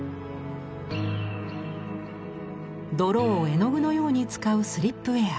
泥を絵の具のように使うスリップウェア。